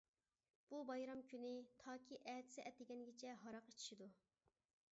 بۇ بايرام كۈنى تاكى ئەتىسى ئەتىگەنگىچە ھاراق ئىچىشىدۇ.